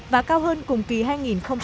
và cao hơn cùng kỳ hai nghìn một mươi tám